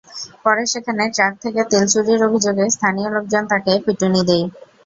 পরে সেখানে ট্রাক থেকে তেল চুরির অভিযোগে স্থানীয় লোকজন তাঁকে পিটুনি দেয়।